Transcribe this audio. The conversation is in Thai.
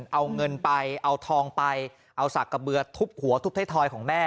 เอาเงินไปเอาทองไปเอาสักกระเบือทุบหัวทุบไทยทอยของแม่